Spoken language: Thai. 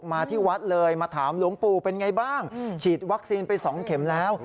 มาที่วัดเลยมาถามหลวงปู่เป็นไงบ้างฉีดวัคซีนไป๒เข็มแล้ว